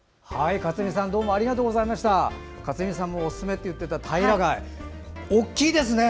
勝見さんもおすすめといっていたタイラガイ大きいですね！